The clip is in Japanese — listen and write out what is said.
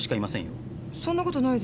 そんなことないですよ。